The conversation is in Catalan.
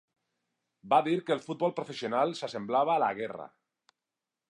Va dir que el futbol professional s'assemblava a la guerra.